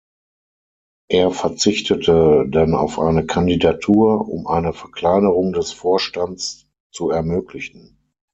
Er verzichtete dann auf eine Kandidatur, um eine Verkleinerung des Vorstands zu ermöglichen.